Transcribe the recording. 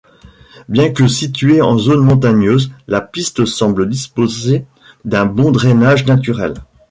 Bien que situé en zone montagneuse, la piste semble disposer d'un bon drainage naturel.